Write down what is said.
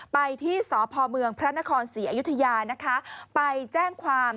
ไปที่สพเมืองพระนครศรีอยุธยานะคะไปแจ้งความ